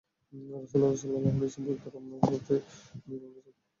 রাসূলুল্লাহ সাল্লাল্লাহু আলাইহি ওয়াসাল্লাম পত্রটি আপনার হাতেই দিতে বলেছেন।